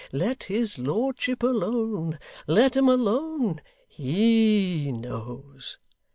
Let his lordship alone. Let him alone. HE knows!